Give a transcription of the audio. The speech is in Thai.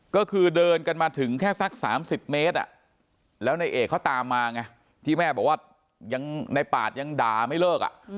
ก็คือเดินกันมาถึงแค่สัก๓๐เมตรแล้วในเอกเขาตามมาไงที่แม่บอกว่าในปาดยังด่าไม่เลิก